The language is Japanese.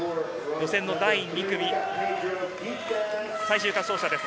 予選第２組、最終滑走者です。